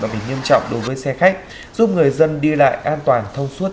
đã bị nghiêm trọng đối với xe khách giúp người dân đi lại an toàn thông suốt